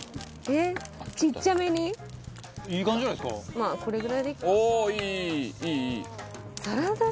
まあ、これぐらいでいいか。